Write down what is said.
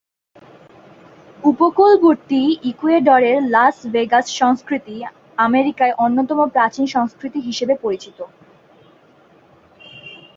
উপকূলবর্তী ইকুয়েডরের Las Vegas সংস্কৃতি আমেরিকায় অন্যতম প্রাচীন সংস্কৃতি হিসেবে পরিচিত।